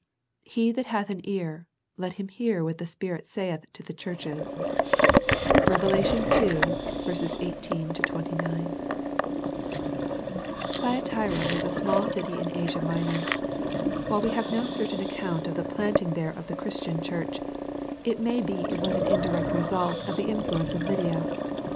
He that hath an ear, let him hear what the Spirit saith to the churches." Rev. ii : 18 29. VI THE THYATIRA LETTER npHYATIRA was a small city in Asia ^^ Minor. While we have no certain account of the planting there of the Christian Church, it may be it was an indirect result of the in fluence of Lydia.